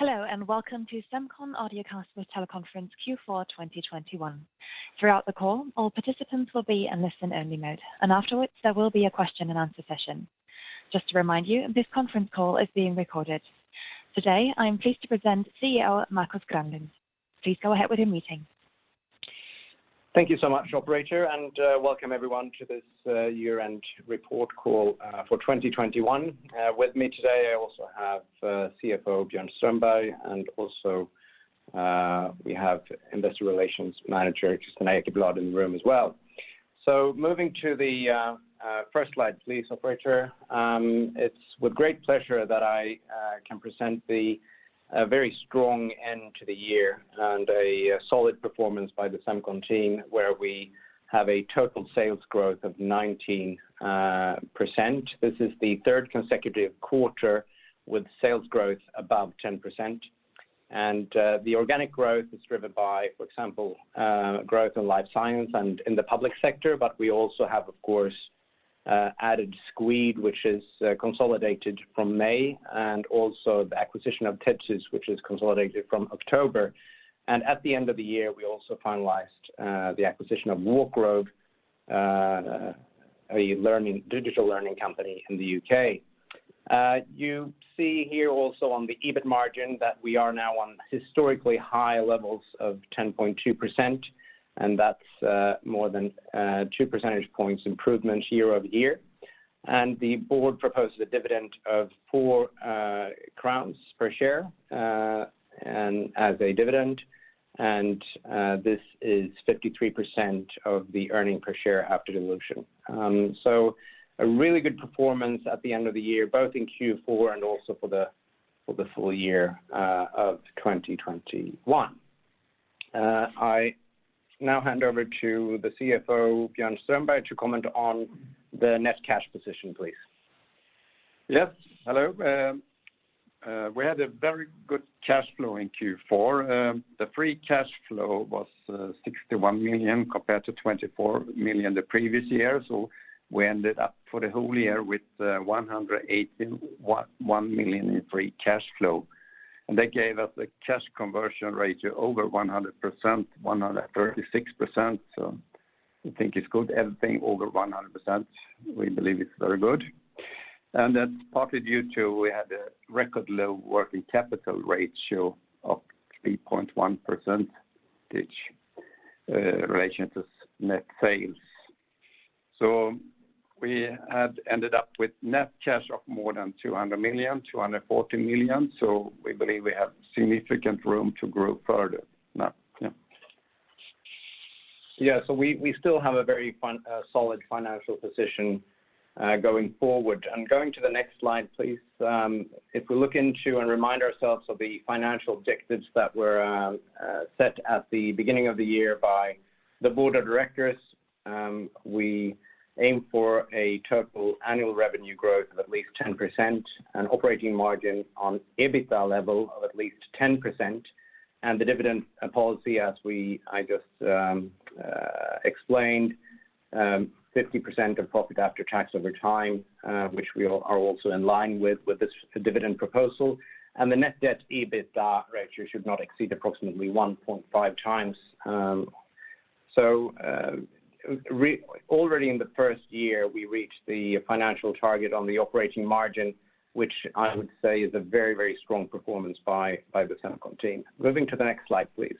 Hello, and welcome to Semcon Audiocast with Teleconference Q4 2021. Throughout the call, all participants will be in listen only mode, and afterwards there will be a question and answer session. Just to remind you, this conference call is being recorded. Today, I am pleased to present CEO Markus Granlund. Please go ahead with your meeting. Thank you so much, operator, and welcome everyone to this year-end report call for 2021. With me today, I also have CFO Björn Strömberg, and also we have Investor Relations Manager Kristina Ekeblad in the room as well. Moving to the first slide, please, operator. It's with great pleasure that I can present the very strong end to the year and a solid performance by the Semcon team, where we have a total sales growth of 19%. This is the third consecutive quarter with sales growth above 10%. The organic growth is driven by, for example, growth in life science and in the public sector. We also have, of course, added Squeed, which is consolidated from May, and also the acquisition of Tedsys, which is consolidated from October. At the end of the year, we also finalized the acquisition of Walkgrove, a digital learning company in the U.K. You see here also on the EBIT margin that we are now on historically high levels of 10.2%, and that's more than two percentage points improvement year-over-year. The board proposes a dividend of 4 crowns per share, and as a dividend. This is 53% of the earnings per share after dilution. So a really good performance at the end of the year, both in Q4 and also for the full year of 2021. I now hand over to the CFO, Björn Strömberg, to comment on the net cash position, please. Yes. Hello. We had a very good cash flow in Q4. The free cash flow was 61 million compared to 24 million the previous year. We ended up for the whole year with 181 million in free cash flow. That gave us a cash conversion ratio over 100%, 136%. I think it's good. Anything over 100%, we believe it's very good. That's partly due to we had a record low working capital ratio of 3.1%, which relation to net sales. We had ended up with net cash of more than 200 million, 240 million. We believe we have significant room to grow further now. Yeah. We still have a very solid financial position going forward. Going to the next slide, please. If we look into and remind ourselves of the financial objectives that were set at the beginning of the year by the board of directors, we aim for a total annual revenue growth of at least 10% and operating margin on EBITDA level of at least 10%. The dividend policy, as I just explained, 50% of profit after tax over time, which we are also in line with this dividend proposal. The net debt to EBITDA ratio should not exceed approximately 1.5x. Already in the first year, we reached the financial target on the operating margin, which I would say is a very, very strong performance by the Semcon team. Moving to the next slide, please.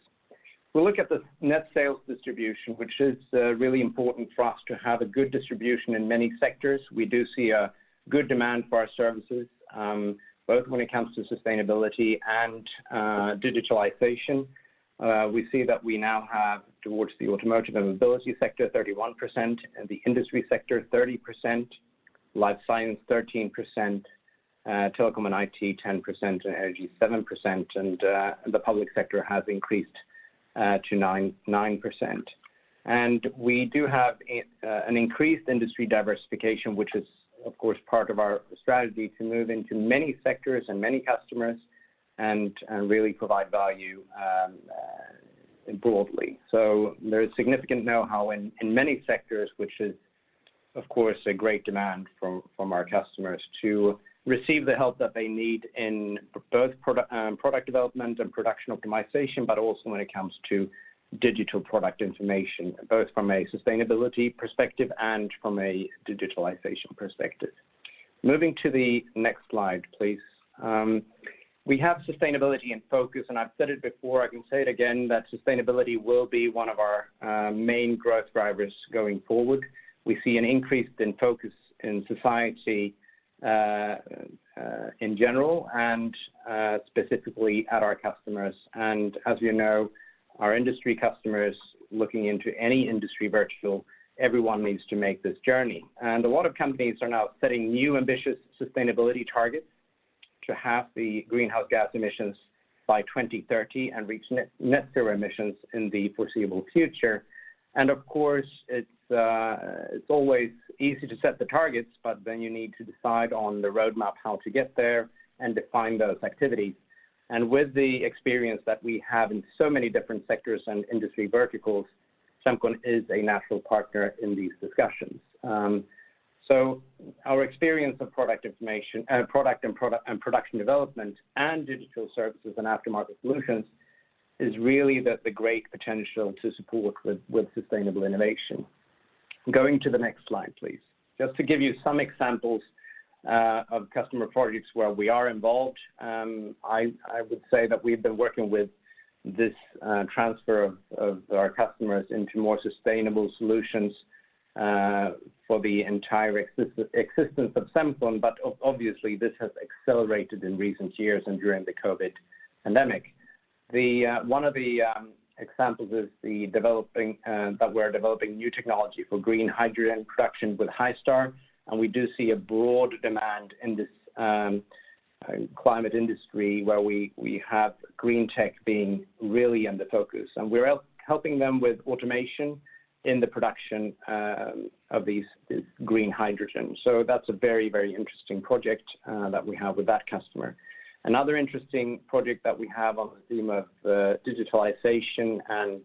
We look at the net sales distribution, which is really important for us to have a good distribution in many sectors. We do see a good demand for our services, both when it comes to sustainability and digitalization. We see that we now have towards the automotive and mobility sector 31%, and the industry sector 30%, life science 13%, telecom and IT 10%, and energy 7%. The public sector has increased to 9%. We do have an increased industry diversification, which is of course part of our strategy to move into many sectors and many customers and really provide value broadly. There is significant know-how in many sectors, which is of course a great demand from our customers to receive the help that they need in both product development and production optimization, but also when it comes to digital Product Information, both from a sustainability perspective and from a digitalization perspective. Moving to the next slide, please. We have sustainability in focus, and I've said it before, I can say it again, that sustainability will be one of our main growth drivers going forward. We see an increase in focus in society in general and specifically at our customers. As you know, our industry customers looking into any industry vertical, everyone needs to make this journey. A lot of companies are now setting new ambitious sustainability targets to half the greenhouse gas emissions by 2030 and reach net zero emissions in the foreseeable future. Of course, it's always easy to set the targets, but then you need to decide on the roadmap, how to get there and define those activities. With the experience that we have in so many different sectors and industry verticals, Semcon is a natural partner in these discussions. Our experience of product and production development and digital services and aftermarket solutions is really the great potential to support with sustainable innovation. Going to the next slide, please. Just to give you some examples of customer projects where we are involved, I would say that we've been working with this transfer of our customers into more sustainable solutions for the entire existence of Semcon, but obviously, this has accelerated in recent years and during the COVID pandemic. One of the examples is that we're developing new technology for green hydrogen production with Hystar, and we do see a broad demand in this climate industry where we have green tech being really in the focus. We're helping them with automation in the production of these green hydrogen. So that's a very interesting project that we have with that customer. Another interesting project that we have on the theme of digitalization and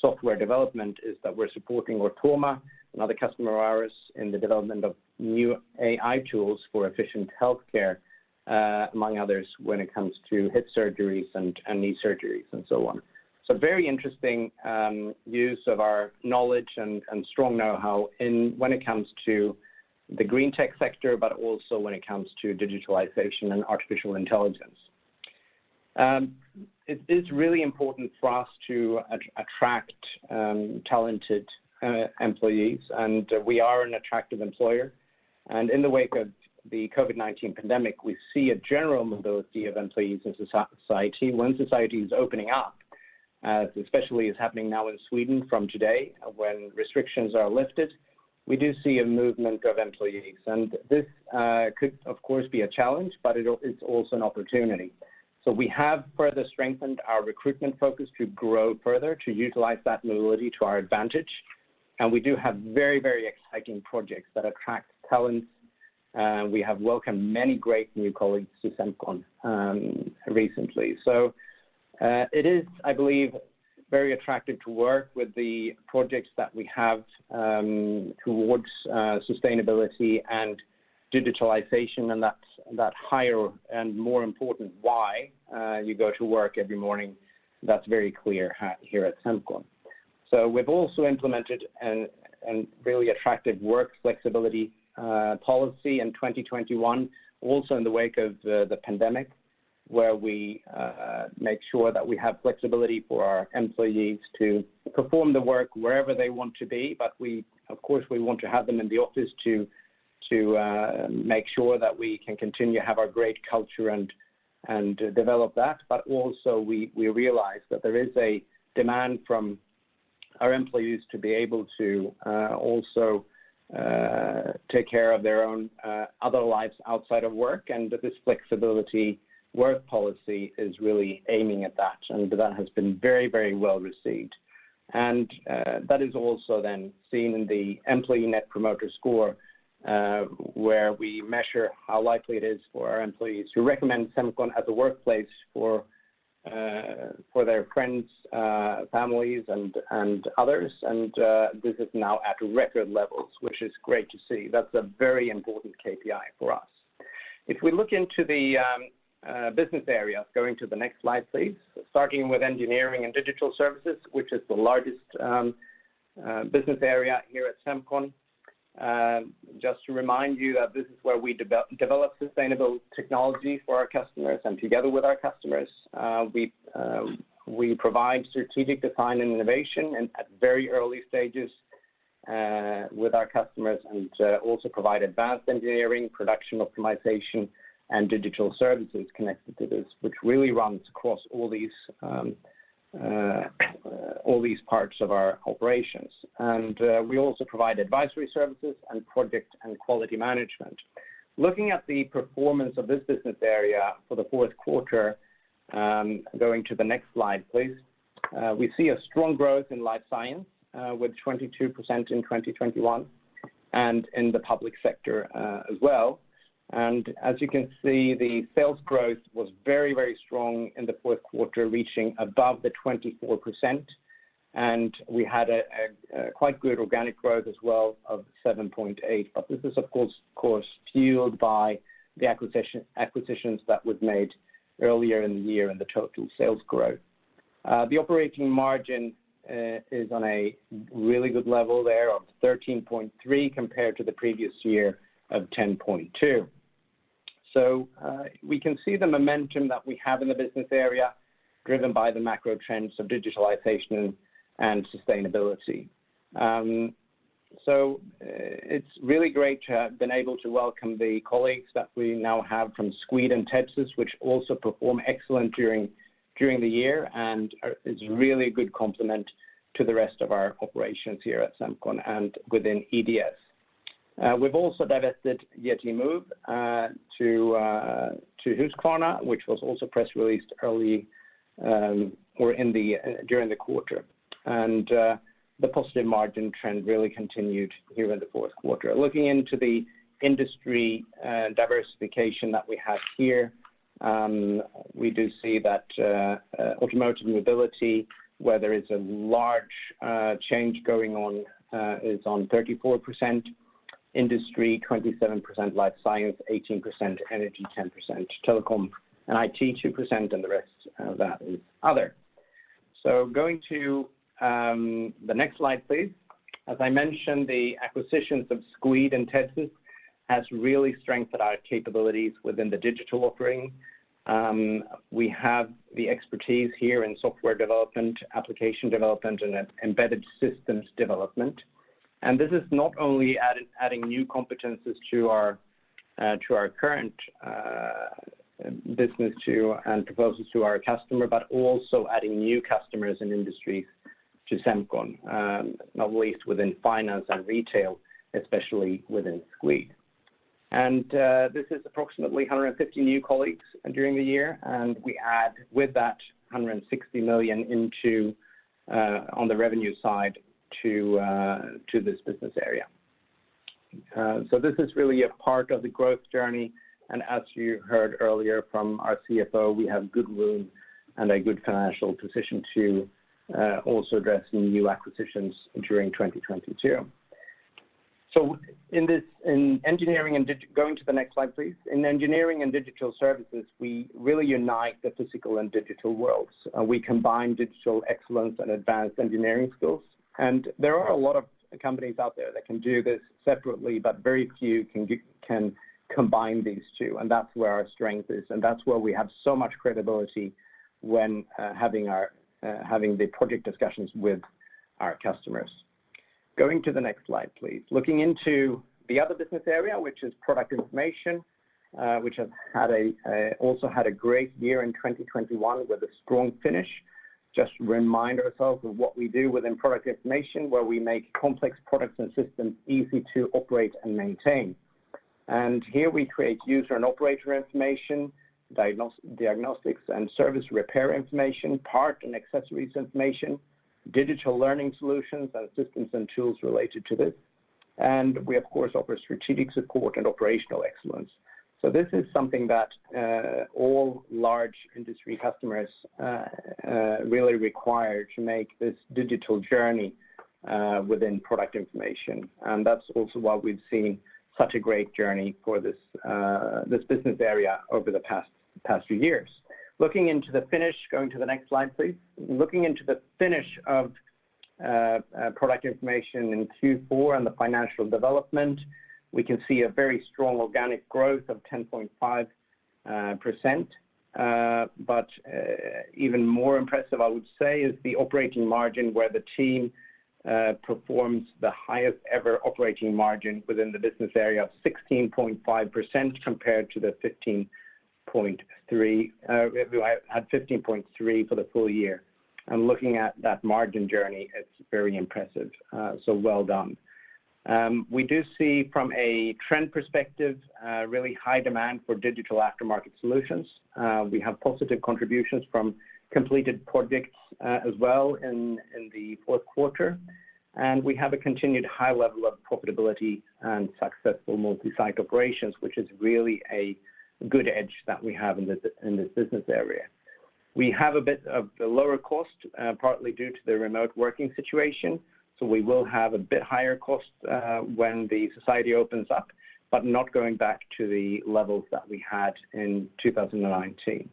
software development is that we're supporting Ortoma, another customer of ours, in the development of new AI tools for efficient healthcare, among others, when it comes to hip surgeries and knee surgeries and so on. Very interesting use of our knowledge and strong know-how in when it comes to the green tech sector, but also when it comes to digitalization and artificial intelligence. It is really important for us to attract talented employees, and we are an attractive employer. In the wake of the COVID-19 pandemic, we see a general mobility of employees in society. When society is opening up, especially as is happening now in Sweden from today, when restrictions are lifted, we do see a movement of employees. This could of course be a challenge, but it's also an opportunity. We have further strengthened our recruitment focus to grow further, to utilize that mobility to our advantage, and we do have very exciting projects that attract talents. We have welcomed many great new colleagues to Semcon recently. It is, I believe, very attractive to work with the projects that we have towards sustainability and digitalization and that's the higher and more important why you go to work every morning. That's very clear here at Semcon. We've also implemented a really attractive work flexibility policy in 2021, also in the wake of the pandemic, where we make sure that we have flexibility for our employees to perform the work wherever they want to be. We, of course, want to have them in the office to make sure that we can continue to have our great culture and develop that. We realize that there is a demand from our employees to be able to also take care of their own other lives outside of work, and that this flexibility work policy is really aiming at that, and that has been very well received. That is also then seen in the Employee Net Promoter Score, where we measure how likely it is for our employees to recommend Semcon as a workplace for their friends, families, and others. This is now at record levels, which is great to see. That's a very important KPI for us. If we look into the business areas, going to the next slide, please. Starting with engineering and digital services, which is the largest business area here at Semcon. Just to remind you that this is where we develop sustainable technology for our customers and together with our customers. We provide strategic design and innovation at very early stages with our customers and also provide advanced engineering, production optimization and digital services connected to this, which really runs across all these parts of our operations. We also provide advisory services and project and quality management. Looking at the performance of this business area for the fourth quarter, going to the next slide, please. We see a strong growth in life science with 22% in 2021, and in the public sector as well. As you can see, the sales growth was very, very strong in the fourth quarter, reaching above the 24%. We had a quite good organic growth as well of 7.8%. But this is of course fueled by the acquisitions that was made earlier in the year and the total sales growth. The operating margin is on a really good level there of 13.3%, compared to the previous year of 10.2%. We can see the momentum that we have in the business area driven by the macro trends of digitalization and sustainability. It's really great to have been able to welcome the colleagues that we now have from Squeed and Tedsys, which also perform excellent during the year and is really a good complement to the rest of our operations here at Semcon and within EDS. We've also divested Yeti Move to Husqvarna, which was also press released early in the quarter. The positive margin trend really continued here in the fourth quarter. Looking into the industry diversification that we have here, we do see that automotive mobility, where there is a large change going on, is on 34% industry, 27% life science, 18% energy, 10% telecom, and IT 2%, and the rest of that is other. Going to the next slide, please. As I mentioned, the acquisitions of Squeed and Tepsys has really strengthened our capabilities within the digital offering. We have the expertise here in software development, application development, and embedded systems development. This is not only adding new competencies to our current business and proposals to our customer, but also adding new customers and industries to Semcon, not least within finance and retail, especially within Squeed. This is approximately 150 new colleagues during the year, and we add with that 160 million on the revenue side to this business area. This is really a part of the growth journey, and as you heard earlier from our CFO, we have good room and a good financial position to also address new acquisitions during 2022. Going to the next slide, please. In engineering and digital services, we really unite the physical and digital worlds. We combine digital excellence and advanced engineering skills. There are a lot of companies out there that can do this separately, but very few can combine these two. That's where our strength is, and that's where we have so much credibility when having the project discussions with our customers. Going to the next slide, please. Looking into the other business area, which is Product Information, which has also had a great year in 2021 with a strong finish. Just to remind ourselves of what we do within Product Information, where we make complex products and systems easy to operate and maintain. Here we create user and operator information, diagnostics and service repair information, part and accessories information, digital learning solutions and systems and tools related to this. We of course offer strategic support and operational excellence. This is something that all large industry customers really require to make this digital journey within Product Information. That's also why we've seen such a great journey for this business area over the past few years. Going to the next slide, please. Looking into the figures of Product Information in Q4 and the financial development, we can see a very strong organic growth of 10.5%. Even more impressive, I would say, is the operating margin where the team performs the highest ever operating margin within the business area of 16.5% compared to the 15.3%. We were at 15.3% for the full year. Looking at that margin journey, it's very impressive. Well done. We do see from a trend perspective really high demand for digital aftermarket solutions. We have positive contributions from completed projects as well in the fourth quarter. We have a continued high level of profitability and successful multi-site operations, which is really a good edge that we have in this business area. We have a bit of a lower cost, partly due to the remote working situation, so we will have a bit higher cost, when the society opens up, but not going back to the levels that we had in 2019.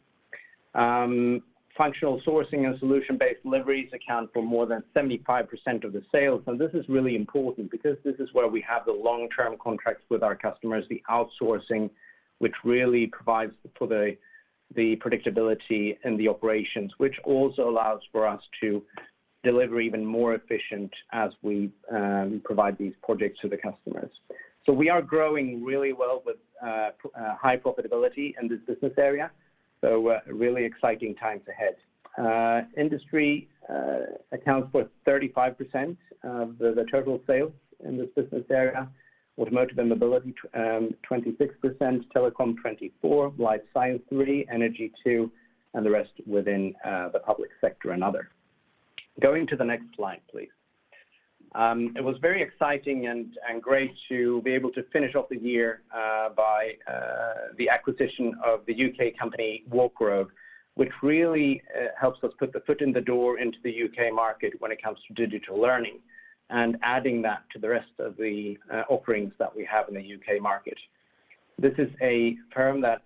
Functional sourcing and solution-based deliveries account for more than 75% of the sales. This is really important because this is where we have the long-term contracts with our customers, the outsourcing, which really provides for the predictability in the operations, which also allows for us to deliver even more efficient as we provide these projects to the customers. We are growing really well with high profitability in this business area. Really exciting times ahead. Industry accounts for 35% of the total sales in this business area. Automotive and mobility, 26%, telecom 24%, life science 3%, energy 2%, and the rest within the public sector and other. Going to the next slide, please. It was very exciting and great to be able to finish off the year by the acquisition of the U.K. company, Walkgrove, which really helps us put the foot in the door into the U.K. market when it comes to digital learning and adding that to the rest of the offerings that we have in the U.K. market. This is a firm that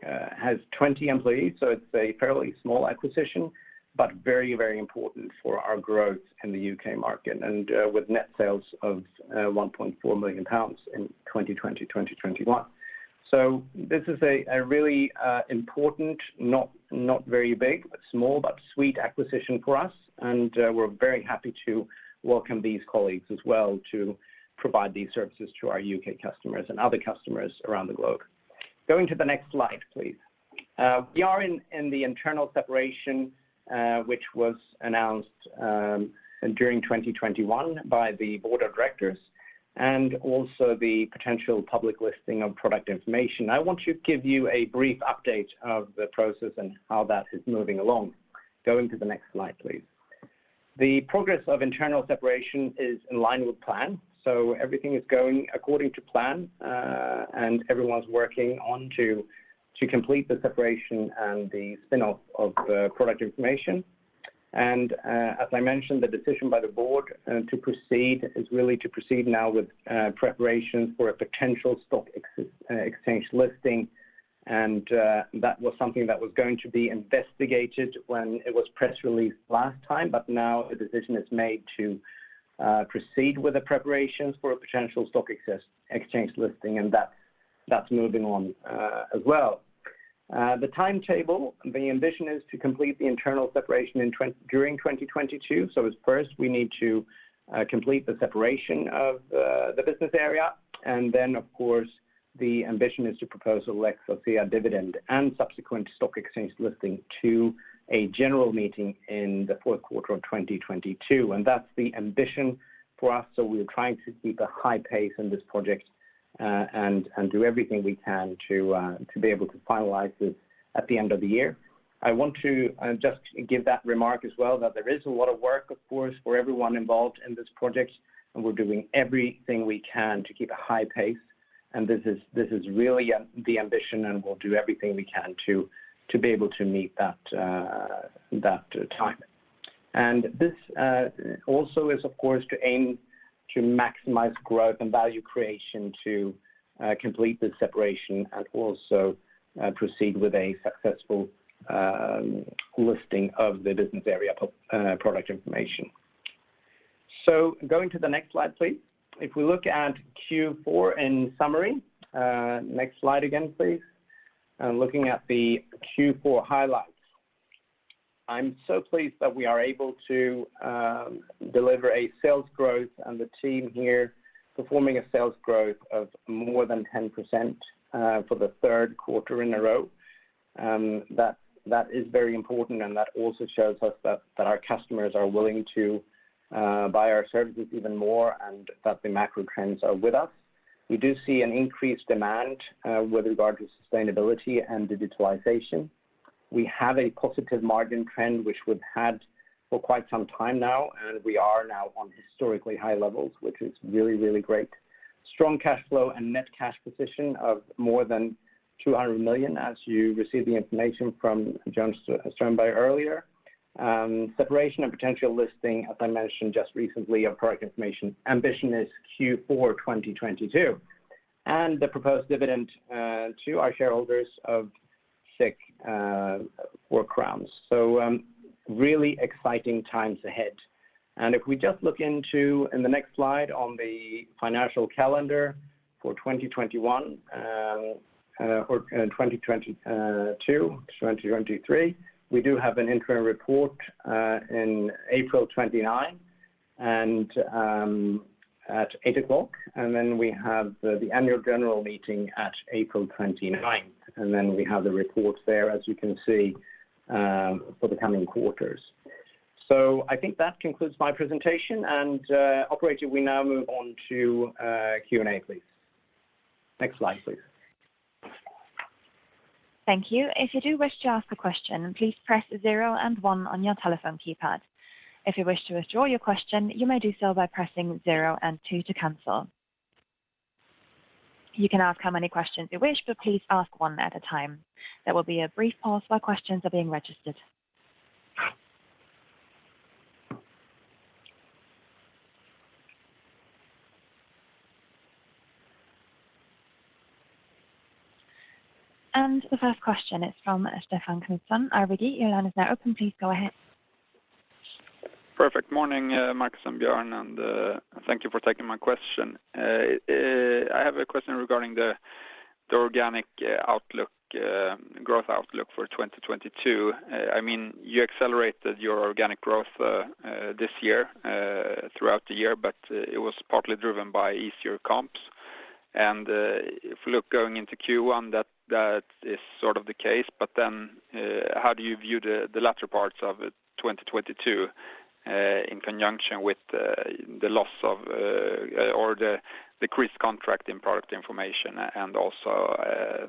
has 20 employees, so it's a fairly small acquisition, but very, very important for our growth in the U.K. market and with net sales of 1.4 million pounds in 2020, 2021. This is a really important, not very big, but small but sweet acquisition for us, and we're very happy to welcome these colleagues as well to provide these services to our U.K. customers and other customers around the globe. Going to the next slide, please. We are in the internal separation, which was announced during 2021 by the Board of Directors, and also the potential public listing of Product Information. I want to give you a brief update of the process and how that is moving along. Going to the next slide, please. The progress of internal separation is in line with plan, so everything is going according to plan, and everyone's working on to complete the separation and the spin-off of the Product Information. As I mentioned, the decision by the board to proceed is really to proceed now with preparation for a potential stock exchange listing. That was something that was going to be investigated when it was press released last time, but now the decision is made to proceed with the preparations for a potential stock exchange listing, and that's moving on as well. The timetable, the ambition is to complete the internal separation during 2022. First, we need to complete the separation of the business area, and then, of course, the ambition is to propose an extraction dividend and subsequent stock exchange listing to a general meeting in the fourth quarter of 2022. That's the ambition for us, so we're trying to keep a high pace in this project, and do everything we can to be able to finalize this at the end of the year. I want to just give that remark as well, that there is a lot of work, of course, for everyone involved in this project, and we're doing everything we can to keep a high pace. This is really the ambition, and we'll do everything we can to be able to meet that time. This also is, of course, to aim to maximize growth and value creation to complete the separation and also proceed with a successful listing of the business area of Product Information. Going to the next slide, please. If we look at Q4 in summary. Next slide again, please. Looking at the Q4 highlights. I'm so pleased that we are able to deliver a sales growth and the team here performing a sales growth of more than 10%, for the third quarter in a row. That is very important and that also shows us that our customers are willing to buy our services even more and that the macro trends are with us. We do see an increased demand with regard to sustainability and digitalization. We have a positive margin trend, which we've had for quite some time now, and we are now on historically high levels, which is really, really great. Strong cash flow and net cash position of more than 200 million as you receive the information from Björn Strömberg earlier. Separation and potential listing, as I mentioned just recently, of Product Information. Ambition is Q4 2022. The proposed dividend to our shareholders of SEK 6. Really exciting times ahead. If we just look at the next slide on the financial calendar for 2021 or 2022, 2023, we do have an interim report in April 29 and at 8:00 A.M. Then we have the annual general meeting at April 29. Then we have the report there, as you can see, for the coming quarters. I think that concludes my presentation. Operator, we now move on to Q&A, please. Next slide, please. Thank you. If you do wish to ask a question, please press 0 and 1 on your telephone keypad. If you wish to withdraw your question, you may do so by pressing 0 and 2 to cancel. You can ask how many questions you wish, but please ask one at a time. There will be a brief pause while questions are being registered. The first question is from Stefan Knutsson. Our video line is now open. Please go ahead. Good morning, Markus and Björn, and thank you for taking my question. I have a question regarding the organic growth outlook for 2022. I mean, you accelerated your organic growth this year throughout the year, but it was partly driven by easier comps. If we look going into Q1, that is sort of the case. How do you view the latter parts of 2022 in conjunction with the loss of or the decreased contract in Product Information and also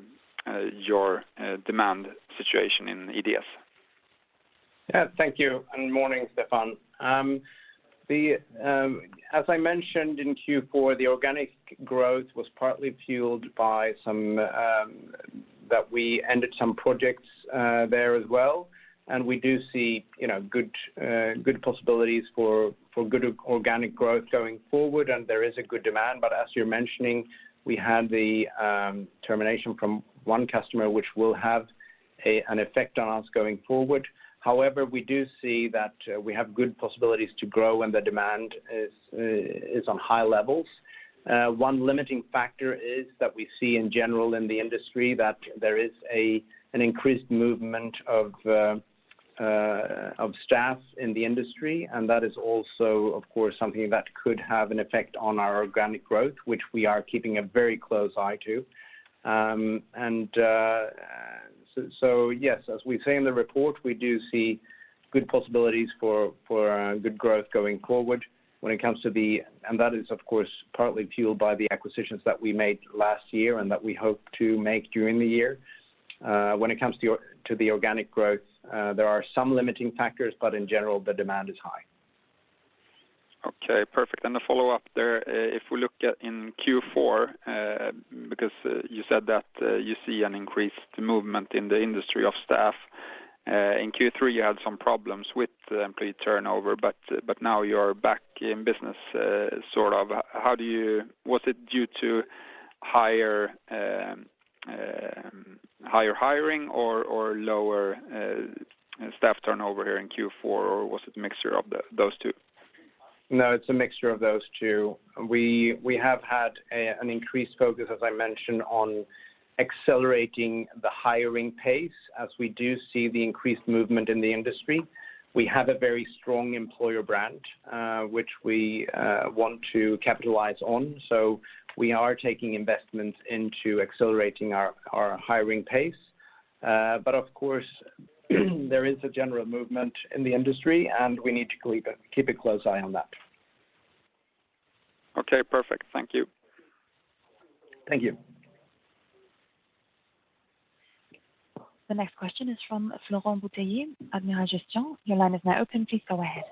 your demand situation in EDS? Yeah. Thank you. Morning, Stefan. As I mentioned in Q4, the organic growth was partly fueled by some that we ended some projects there as well, and we do see you know good possibilities for good organic growth going forward, and there is a good demand. As you're mentioning, we had the termination from one customer, which will have an effect on us going forward. However, we do see that we have good possibilities to grow, and the demand is on high levels. One limiting factor is that we see in general in the industry that there is an increased movement of staff in the industry, and that is also, of course, something that could have an effect on our organic growth, which we are keeping a very close eye to. Yes, as we say in the report, we do see good possibilities for good growth going forward. That is, of course, partly fueled by the acquisitions that we made last year and that we hope to make during the year. When it comes to the organic growth, there are some limiting factors, but in general, the demand is high. Okay, perfect. A follow-up there, if we look at in Q4, because you said that you see an increased movement in the industry of staff. In Q3, you had some problems with employee turnover, but now you're back in business, sort of. Was it due to higher hiring or lower staff turnover here in Q4? Or was it a mixture of those two? No, it's a mixture of those two. We have had an increased focus, as I mentioned, on accelerating the hiring pace as we do see the increased movement in the industry. We have a very strong employer brand, which we want to capitalize on. We are taking investments into accelerating our hiring pace. Of course, there is a general movement in the industry, and we need to keep a close eye on that. Okay, perfect. Thank you. Thank you. The next question is from Florent Bouteiller, Amiral Gestion. Your line is now open. Please go ahead.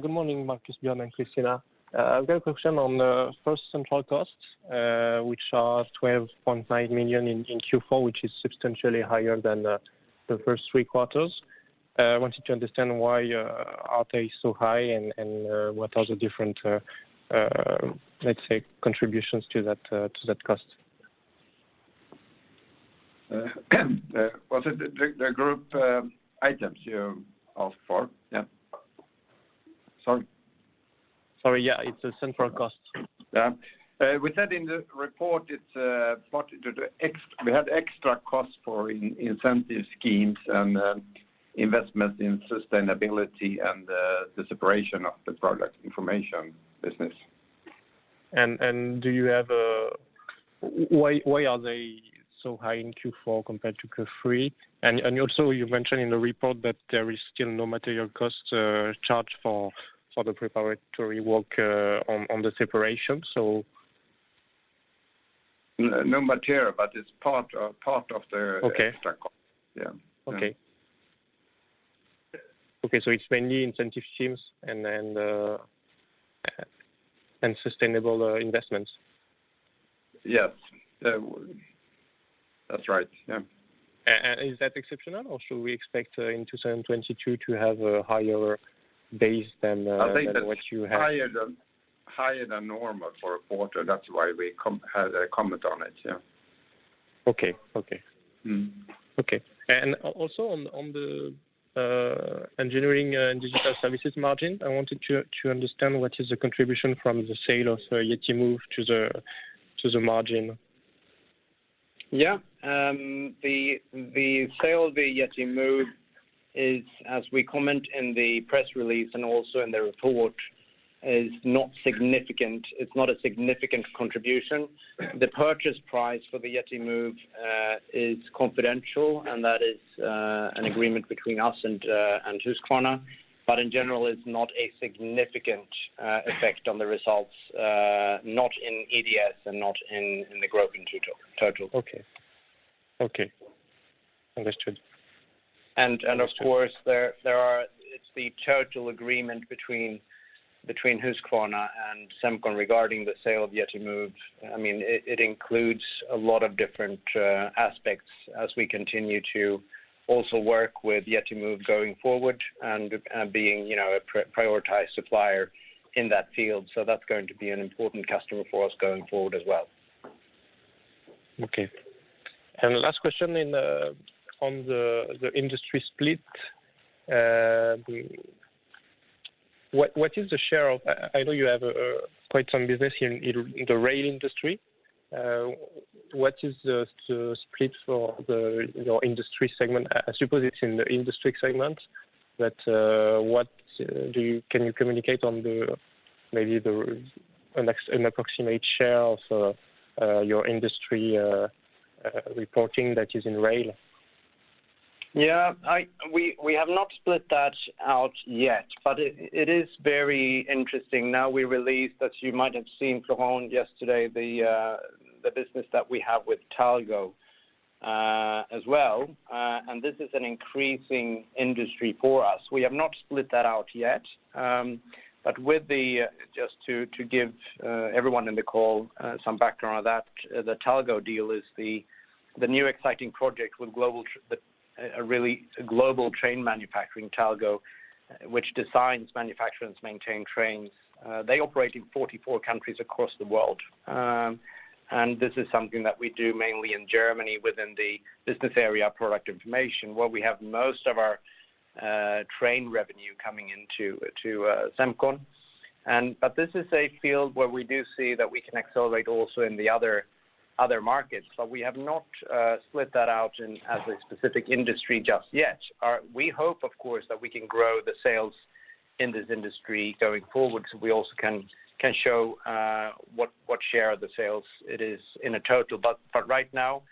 Good morning, Markus, Björn, and Kristina. I've got a question on central costs, which are 12.9 million in Q4, which is substantially higher than the first three quarters. I wanted to understand why are they so high and what are the different, let's say, contributions to that cost? Was it the group items you asked for? Yeah. Sorry. Sorry, yeah. It's the central costs. Yeah. We said in the report, it's the extra costs for incentive schemes and investment in sustainability and the separation of the Product Information business. Why are they so high in Q4 compared to Q3? Also, you mentioned in the report that there is still no material costs charged for the preparatory work on the separation. No material, but it's part of the Okay. Extra cost. Yeah. Okay, it's mainly incentive schemes and then, and sustainable, investments? Yes. That's right. Yeah. Is that exceptional or should we expect in 2022 to have a higher base than what you have? I think that's higher than normal for a quarter. That's why we had a comment on it. Yeah. Okay. Okay. Mm-hmm. Okay. Also on the engineering and digital services margin, I wanted to understand what is the contribution from the sale of Yeti Move to the margin? Yeah. The sale of the Yeti Move, as we comment in the press release and also in the report, is not significant. It's not a significant contribution. Mm-hmm. The purchase price for the Yeti Move is confidential. Mm-hmm. An agreement between us and Husqvarna. In general, it's not a significant effect on the results, not in EDS and not in the group in total. Okay. Okay. Understood. It's the total agreement between Husqvarna and Semcon regarding the sale of Yeti Move. I mean, it includes a lot of different aspects as we continue to also work with Yeti Move going forward and being, you know, a prioritized supplier in that field. That's going to be an important customer for us going forward as well. Okay. The last question on the industry split. What is the share of? I know you have quite some business in the rail industry. What is the split for your industry segment? I suppose it's in the industry segment, but can you communicate on maybe an approximate share of your industry reporting that is in rail? Yeah. We have not split that out yet, but it is very interesting. Now, we released, as you might have seen, Florent, yesterday, the business that we have with Talgo, as well. This is an increasing industry for us. We have not split that out yet. Just to give everyone in the call some background on that, the Talgo deal is the new exciting project, really a global train manufacturing Talgo, which designs, manufactures, maintains trains. They operate in 44 countries across the world. This is something that we do mainly in Germany within the business area Product Information, where we have most of our train revenue coming into Semcon. This is a field where we do see that we can accelerate also in the other markets. We have not split that out as a specific industry just yet. We hope, of course, that we can grow the sales in this industry going forward, so we also can show what share of the sales it is in a total. But right now,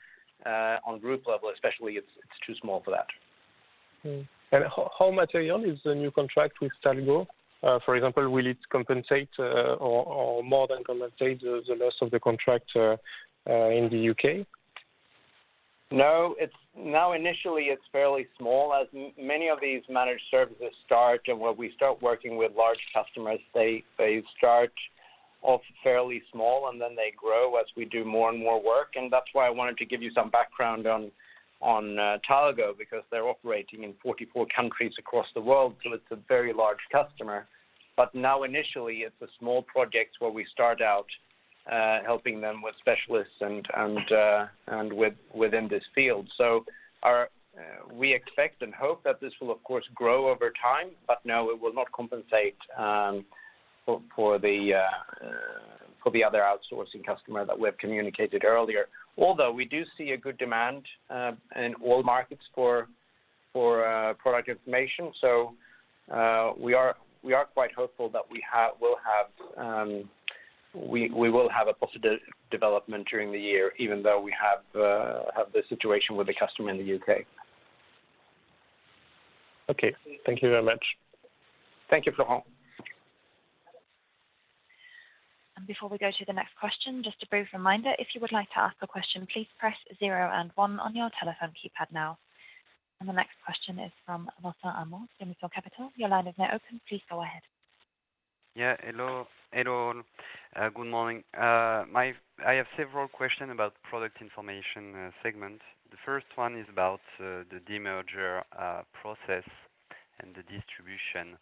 on group level, especially, it's too small for that. How material is the new contract with Talgo? For example, will it compensate, or more than compensate the loss of the contract in the U.K.? No. It's now, initially, it's fairly small. As many of these managed services start and when we start working with large customers, they start off fairly small, and then they grow as we do more and more work. That's why I wanted to give you some background on Talgo, because they're operating in 44 countries across the world, so it's a very large customer. Now initially, it's a small project where we start out helping them with specialists and within this field. We expect and hope that this will of course grow over time, but no, it will not compensate for the other outsourcing customer that we have communicated earlier. Although we do see a good demand in all markets for Product Information, so we are quite hopeful that we'll have a positive development during the year, even though we have the situation with the customer in the U.K. Okay. Thank you very much. Thank you, Florent. Before we go to the next question, just a brief reminder. If you would like to ask a question, please press zero and one on your telephone keypad now. The next question is from Martin Arnell, Simi Capital. Your line is now open. Please go ahead. Yeah. Hello. Good morning. I have several question about Product Information segment. The first one is about the demerger process and the distribution.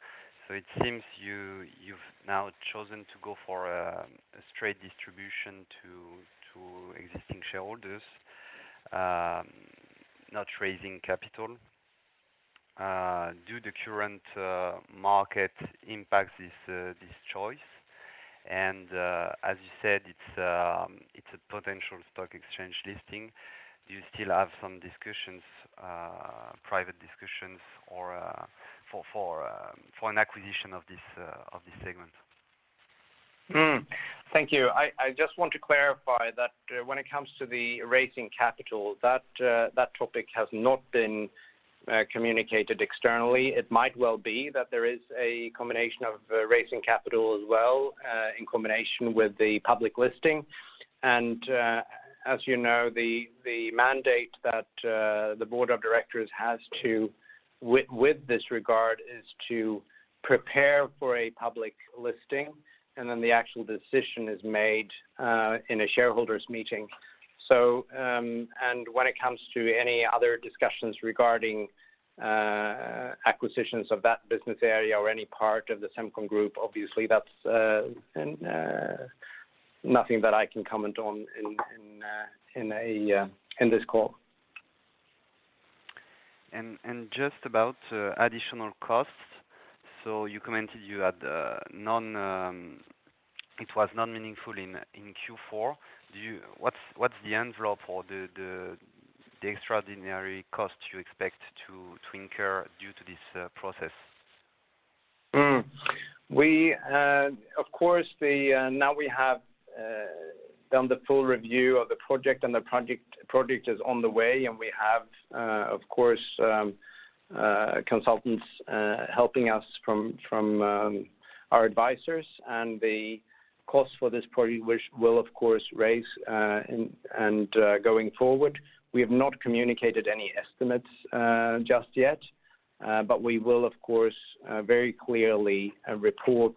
It seems you've now chosen to go for a straight distribution to existing shareholders, not raising capital. Do the current market impact this choice? And as you said, it's a potential stock exchange listing. Do you still have some discussions, private discussions or for an acquisition of this segment? Thank you. I just want to clarify that when it comes to raising capital, that topic has not been communicated externally. It might well be that there is a combination of raising capital as well in combination with the public listing. As you know, the mandate that the board of directors has with regard to this is to prepare for a public listing, and then the actual decision is made in a shareholders meeting. When it comes to any other discussions regarding acquisitions of that business area or any part of the Semcon Group, obviously that's nothing that I can comment on in this call. Just about additional costs. You commented it was non-meaningful in Q4. What's the envelope for the extraordinary cost you expect to incur due to this process? We of course now have done the full review of the project, and the project is on the way, and we have of course consultants helping us from our advisors, and the cost for this project which will of course rise going forward. We have not communicated any estimates just yet, but we will of course very clearly report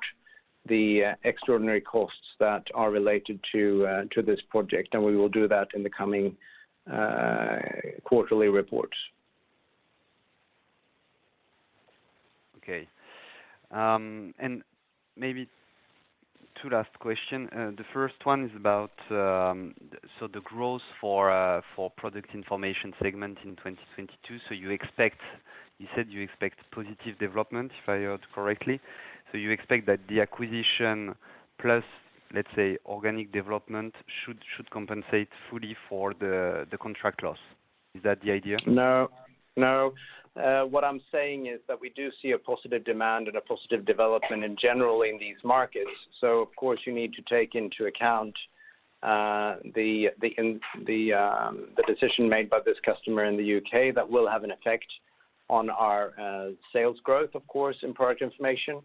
the extraordinary costs that are related to this project, and we will do that in the coming quarterly report. Okay. Maybe 2 last questions. The first one is about the growth for the Product Information segment in 2022. You expect, you said you expect positive development, if I heard correctly. You expect that the acquisition plus, let's say, organic development should compensate fully for the contract loss. Is that the idea? No, what I'm saying is that we do see a positive demand and a positive development in general in these markets. Of course you need to take into account the decision made by this customer in the U.K. that will have an effect on our sales growth, of course, in Product Information.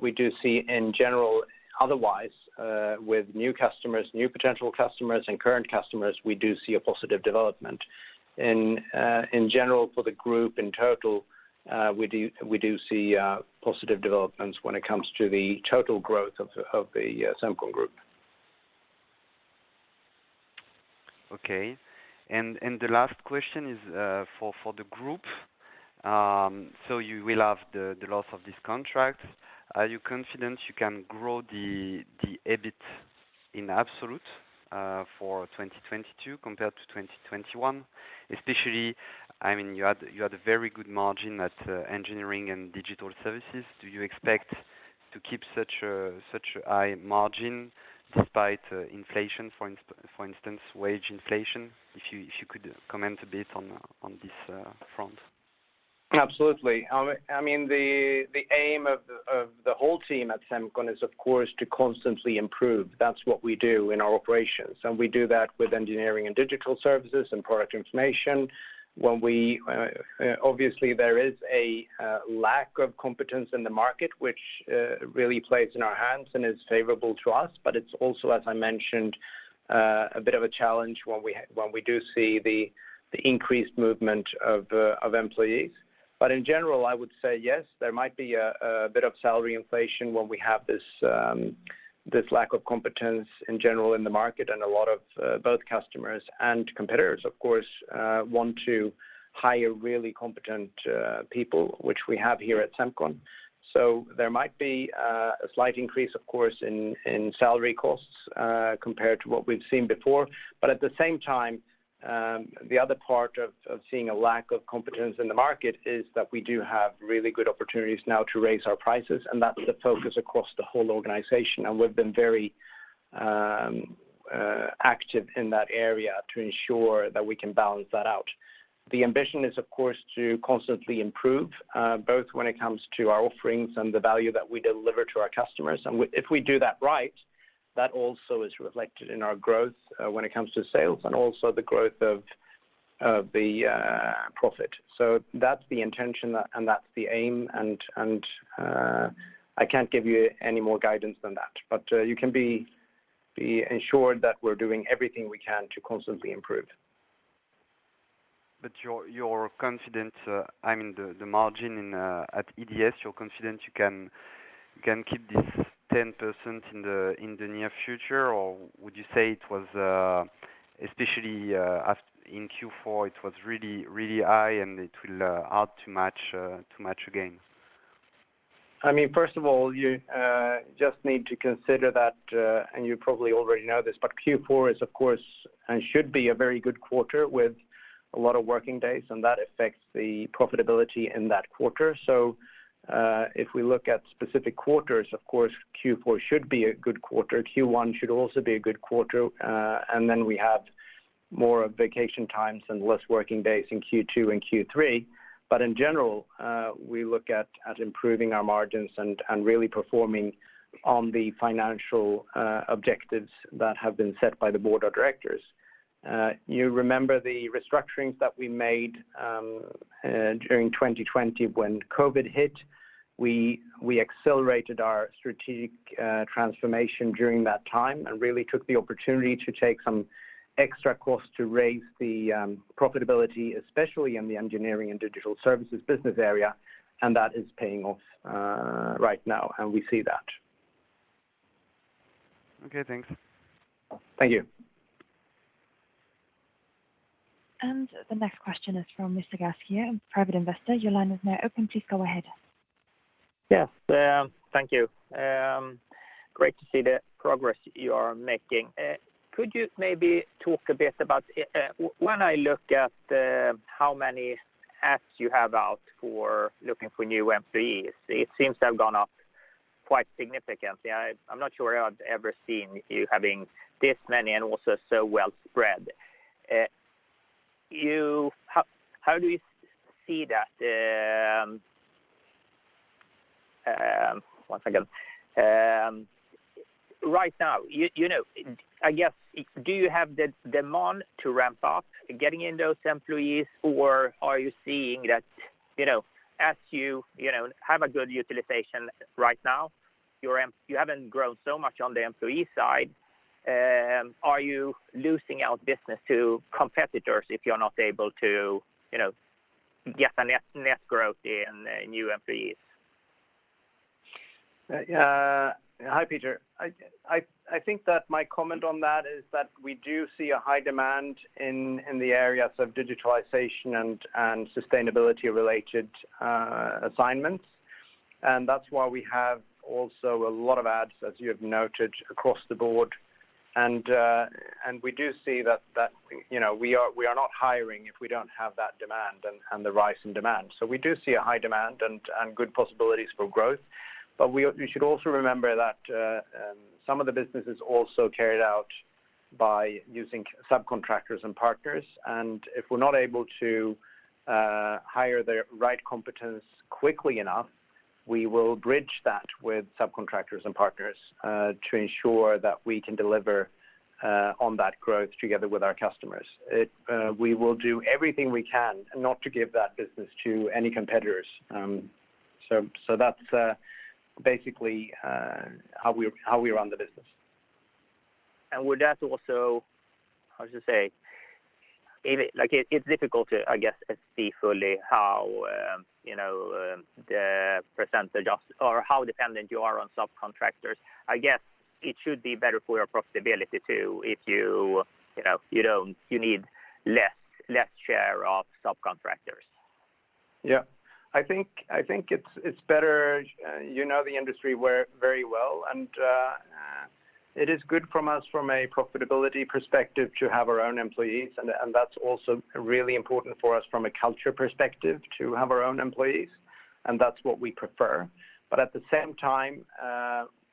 We do see in general, otherwise, with new customers, new potential customers, and current customers, we do see a positive development. In general for the group in total, we do see positive developments when it comes to the total growth of the Semcon Group. The last question is for the group. So you will have the loss of this contract. Are you confident you can grow the EBIT in absolute for 2022 compared to 2021? Especially, I mean, you had a very good margin at engineering and digital services. Do you expect to keep such a high margin despite inflation for instance, wage inflation? If you could comment a bit on this front. Absolutely. I mean, the aim of the whole team at Semcon is of course to constantly improve. That's what we do in our operations, and we do that with engineering and digital services and Product Information. Obviously, there is a lack of competence in the market, which really plays in our hands and is favorable to us. It's also, as I mentioned, a bit of a challenge when we do see the increased movement of employees. In general, I would say yes, there might be a bit of salary inflation when we have this lack of competence in general in the market. A lot of both customers and competitors, of course, want to hire really competent people, which we have here at Semcon. There might be a slight increase, of course, in salary costs, compared to what we've seen before. At the same time, the other part of seeing a lack of competence in the market is that we do have really good opportunities now to raise our prices, and that's the focus across the whole organization. We've been very active in that area to ensure that we can balance that out. The ambition is, of course, to constantly improve, both when it comes to our offerings and the value that we deliver to our customers. If we do that right, that also is reflected in our growth when it comes to sales and also the growth of the profit. That's the intention and that's the aim and I can't give you any more guidance than that. You can be assured that we're doing everything we can to constantly improve. You're confident, I mean, the margin in at EDS, you're confident you can keep this 10% in the near future? Or would you say it was especially as in Q4, it was really high, and it will hard to match again. I mean, first of all, you just need to consider that, and you probably already know this, but Q4 is of course, and should be a very good quarter with a lot of working days, and that affects the profitability in that quarter. If we look at specific quarters, of course, Q4 should be a good quarter. Q1 should also be a good quarter. We have more vacation times and less working days in Q2 and Q3. In general, we look at improving our margins and really performing on the financial objectives that have been set by the Board of Directors. You remember the restructurings that we made during 2020 when COVID hit. We accelerated our strategic transformation during that time and really took the opportunity to take some extra costs to raise the profitability, especially in the Engineering & Digital Services business area. That is paying off right now, and we see that. Okay, thanks. Thank you. The next question is from Mr. Gaskier, private investor. Your line is now open. Please go ahead. Yes, thank you. Great to see the progress you are making. Could you maybe talk a bit about when I look at how many ads you have out for looking for new employees, it seems to have gone up quite significantly. I'm not sure I've ever seen you having this many and also so well spread. How do you see that? One second. Right now, you know, I guess, do you have the demand to ramp up getting in those employees? Or are you seeing that, you know, as you know, have a good utilization right now, you haven't grown so much on the employee side. Are you losing business to competitors if you're not able to, you know, get a net growth in new employees? Hi, Peter. I think that my comment on that is that we do see a high demand in the areas of digitalization and sustainability-related assignments. That's why we have also a lot of ads, as you have noted, across the board. We do see that, you know, we are not hiring if we don't have that demand and the rise in demand. We do see a high demand and good possibilities for growth. We should also remember that some of the business is also carried out by using subcontractors and partners. If we're not able to hire the right competence quickly enough, we will bridge that with subcontractors and partners to ensure that we can deliver on that growth together with our customers. We will do everything we can not to give that business to any competitors. That's basically how we run the business. Would that also, how to say? If it—like, it's difficult to, I guess, see fully how, you know, the percentage of or how dependent you are on subcontractors. I guess it should be better for your profitability, too, if you know, you need less share of subcontractors. Yeah. I think it's better. You know the industry very well, and it is good for us from a profitability perspective to have our own employees, and that's also really important for us from a culture perspective to have our own employees. That's what we prefer. At the same time,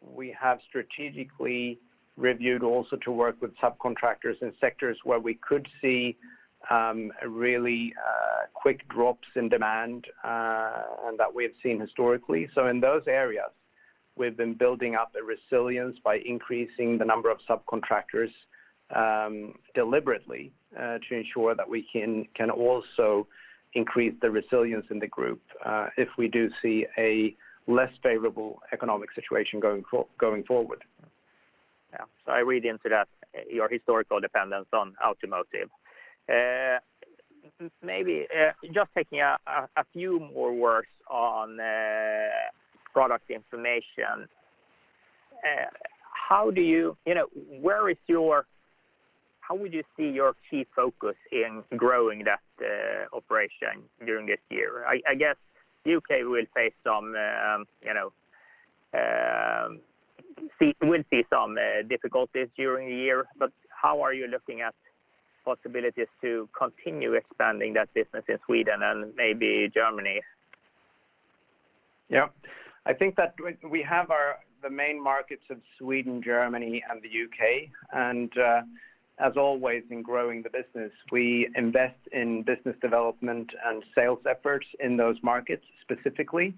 we have strategically reviewed also to work with subcontractors in sectors where we could see really quick drops in demand, and that we have seen historically. In those areas, we've been building up the resilience by increasing the number of subcontractors deliberately to ensure that we can also increase the resilience in the group if we do see a less favorable economic situation going forward. I read into that your historical dependence on automotive. Maybe just taking a few more words on Product Information. You know, how would you see your key focus in growing that operation during this year? I guess U.K. will face some, you know, will see some difficulties during the year, but how are you looking at possibilities to continue expanding that business in Sweden and maybe Germany? Yeah. I think that we have the main markets of Sweden, Germany, and the U.K. As always in growing the business, we invest in business development and sales efforts in those markets specifically.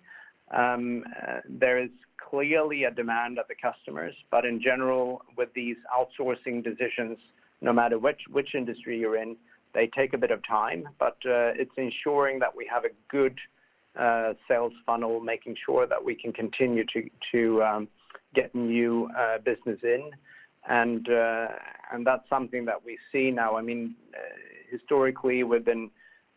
There is clearly a demand of the customers, but in general, with these outsourcing decisions, no matter which industry you're in, they take a bit of time. It's ensuring that we have a good sales funnel, making sure that we can continue to get new business in. That's something that we see now. I mean, historically, we've been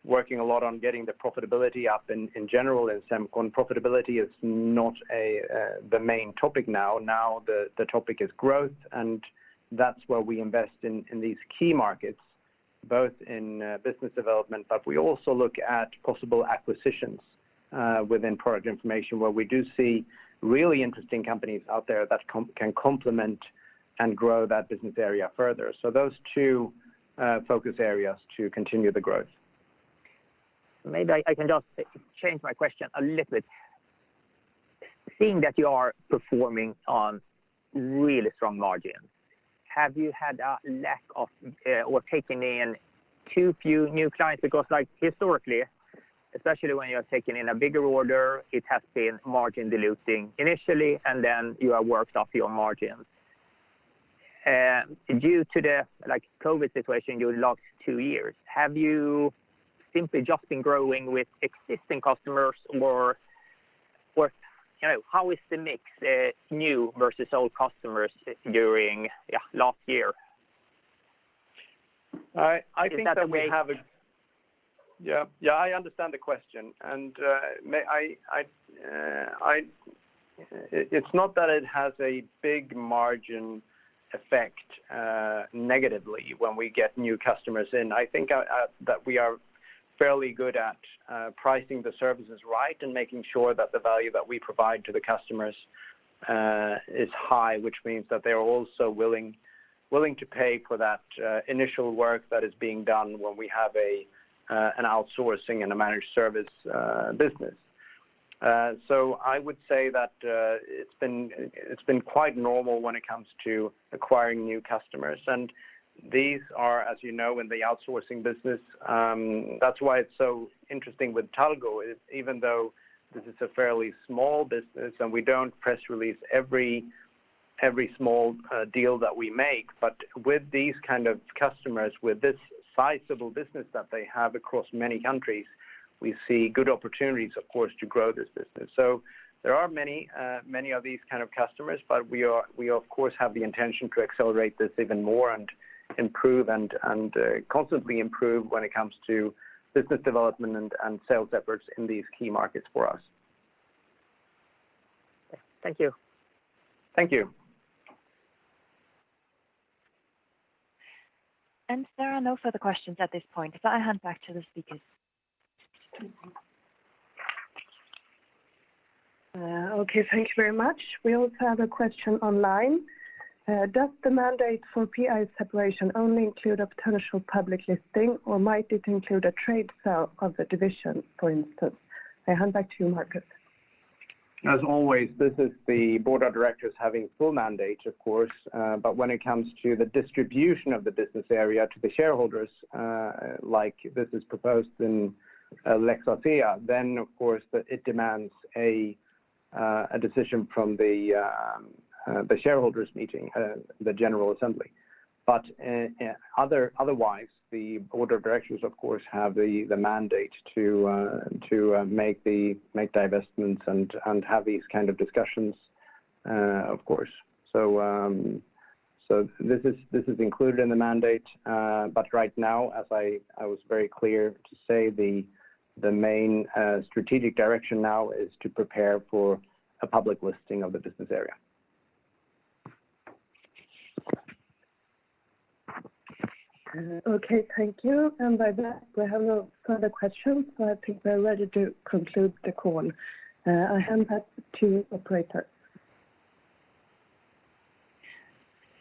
working a lot on getting the profitability up in general in Semcon. Profitability is not the main topic now. Now the topic is growth, and that's where we invest in these key markets, both in business development. We also look at possible acquisitions within Product Information, where we do see really interesting companies out there that can complement and grow that business area further. Those two focus areas to continue the growth. Maybe I can just change my question a little bit. Seeing that you are performing on really strong margins, have you had a lack of or taken in too few new clients? Because, like, historically, especially when you're taking in a bigger order, it has been margin diluting initially, and then you have worked off your margins. Due to the, like, COVID situation, you're locked two years. Have you simply just been growing with existing customers or you know, how is the mix new versus old customers during last year? I think that we have a Is that the main- Yeah, yeah, I understand the question. It's not that it has a big margin effect, negatively, when we get new customers in. I think that we are fairly good at pricing the services right and making sure that the value that we provide to the customers is high, which means that they are also willing to pay for that initial work that is being done when we have an outsourcing and a managed service business. I would say that it's been quite normal when it comes to acquiring new customers. These are, as you know, in the outsourcing business. That's why it's so interesting with Talgo, is even though this is a fairly small business and we don't press release every small deal that we make, but with these kind of customers, with this sizable business that they have across many countries, we see good opportunities, of course, to grow this business. There are many of these kind of customers, but we, of course, have the intention to accelerate this even more and improve and constantly improve when it comes to business development and sales efforts in these key markets for us. Thank you. Thank you. There are no further questions at this point, so I hand back to the speakers. Okay, thank you very much. We also have a question online. Does the mandate for PI separation only include a potential public listing, or might it include a trade sale of the division, for instance? I hand back to you, Markus. As always, this is the Board of Directors having full mandate, of course. When it comes to the distribution of the business area to the shareholders, like this is proposed in Lex Asea, then of course, it demands a decision from the shareholders meeting, the general assembly. Otherwise, the board of directors, of course, have the mandate to make divestments and have these kind of discussions, of course. This is included in the mandate, but right now, as I was very clear to say, the main strategic direction now is to prepare for a public listing of the business area. Okay. Thank you. By that, we have no further questions. I think we're ready to conclude the call. I hand back to operator.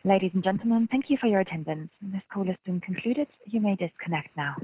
Ladies and gentlemen, thank you for your attendance. This call is soon concluded. You may disconnect now.